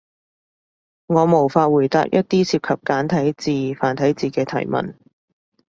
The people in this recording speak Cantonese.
我無法回答一啲涉及簡體字、繁體字嘅提問